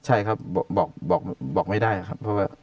ใช่ครับบอกไม่ได้ครับ